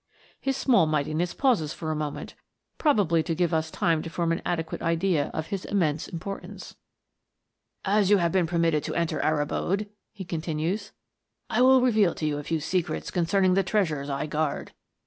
His small mightiness pauses for a moment, probably to give us time to form an adequate idea of his immense importance. " As yo\i have been permitted to enter our abode," he continues, " I will reveal to you a few secrets concerning the treasures I guard.